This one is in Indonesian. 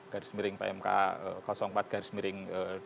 garis miring pmk empat garis miring dua ribu